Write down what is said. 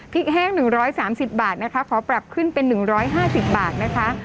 แห้ง๑๓๐บาทนะคะขอปรับขึ้นเป็น๑๕๐บาทนะคะ